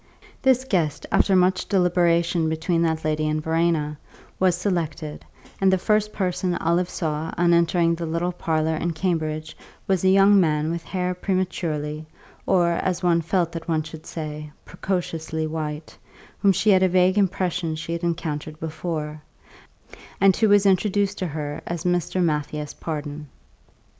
This guest, after much deliberation between that lady and Verena, was selected, and the first person Olive saw on entering the little parlour in Cambridge was a young man with hair prematurely, or, as one felt that one should say, precociously white, whom she had a vague impression she had encountered before, and who was introduced to her as Mr. Matthias Pardon.